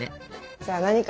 じゃあ何か。